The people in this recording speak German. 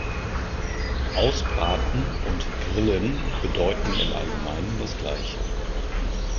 Ausbraten und grillen bedeuten im Allgemeinen das gleiche.